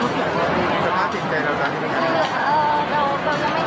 ก็ไม่ว่าแบบนี้มันก็จะเป็นยังไงแต่ว่าถ้าเกิดอยากกินงานทั้งเดียวก็